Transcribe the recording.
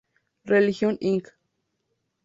Religion, Inc.